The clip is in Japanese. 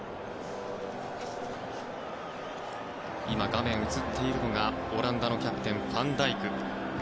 画面に映っているのがオランダのキャプテン、ファンダイク。